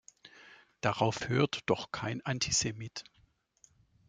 Darauf hört doch kein Antisemit.